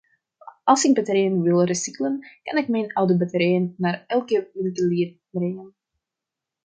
Als ik batterijen wil recyclen, kan ik mijn oude batterijen naar elke winkelier brengen.